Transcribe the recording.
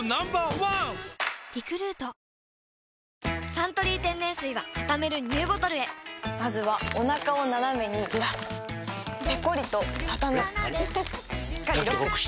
「サントリー天然水」はたためるＮＥＷボトルへまずはおなかをナナメにずらすペコリ！とたたむしっかりロック！